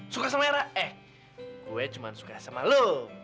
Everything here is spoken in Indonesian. suka sama era eh gue cuma suka sama lu